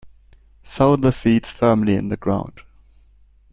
Sow the seeds firmly in the ground.